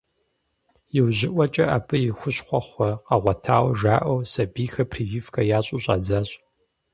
Иужьыӏуэкӏэ абы и хущхуэхъуэ къагъуэтауэ жаӏэу сабийхэр прививкэ ящӏу щӏадзащ.